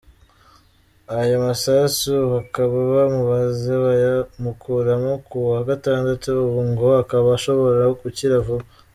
Ayo masasu bakaba bamubaze bayamukuramo ku wa gatandatu, ubu ngo akaba ashobora gukira vuba.